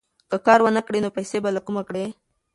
که کار ونه کړې، نو پیسې به له کومه کړې؟